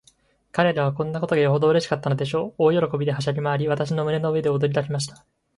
彼等はこんなことがよほどうれしかったのでしょう。大喜びで、はしゃぎまわり、私の胸の上で踊りだしました。